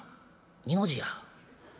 『ニの字や』。